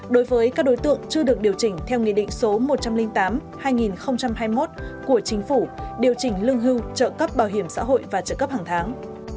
đối với các đối tượng chưa được điều chỉnh theo nghị định số một trăm linh tám hai nghìn hai mươi một của chính phủ điều chỉnh lương hưu trợ cấp bảo hiểm xã hội và trợ cấp hàng tháng